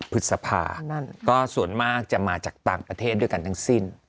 พฤษภาส่วนมากจะมาจากต่างประเทศด้วยกันทั้งสิ้น